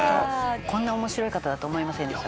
こんな面白い方だと思いませんでした。